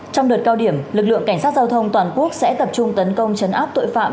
trong đợt cao điểm lực lượng cảnh sát giao thông toàn quốc sẽ tập trung tấn công chấn áp tội phạm